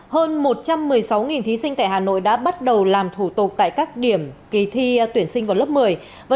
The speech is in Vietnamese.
hơn một trăm một mươi sáu thí sinh tại hà nội đã bắt đầu làm thủ tục tại các điểm kỳ thi tuyển sinh vào lớp một mươi